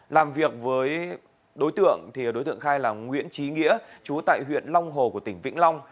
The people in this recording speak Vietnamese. làm việc với đối tượng đối tượng khai là nguyễn trí nghĩa chú tại huyện long hồ của tỉnh vĩnh long